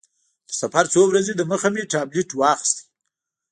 تر سفر څو ورځې دمخه مې ټابلیټ واخیست.